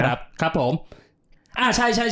สวัสดีครับครับผม